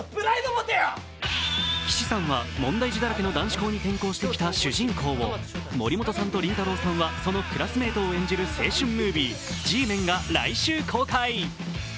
岸さんは問題児だらけの男子校に転校してきた主人公を、森本さんとりんたろーさんはそのクラスメイトを演じる青春ムービー「Ｇメン」が来週公開。